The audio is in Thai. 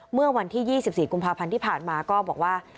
เมื่อวันที่๒๔กุมภาพันธ์ที่ผ่านมาก็บอกว่า